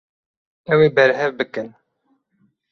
Ew ê berhev bikin.